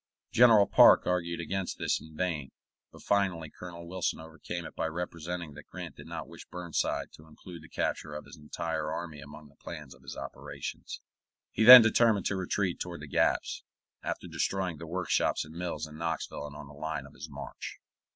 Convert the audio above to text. General Parke argued against this in vain, but finally Colonel Wilson overcame it by representing that Grant did not wish Burnside to include the capture of his entire army among the plans of his operations. He then determined to retreat toward the gaps, after destroying the workshops and mills in Knoxville and on the line of his march.